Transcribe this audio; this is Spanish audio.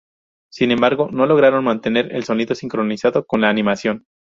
Sin embargo, no lograron mantener el sonido sincronizado con la animación.